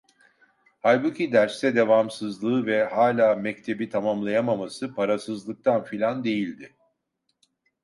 Halbuki derste devamsızlığı ve hâlâ mektebi tamamlayamaması parasızlıktan filan değildi.